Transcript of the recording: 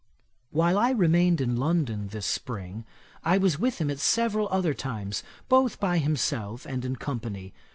While I remained in London this spring, I was with him at several other times, both by himself and in company.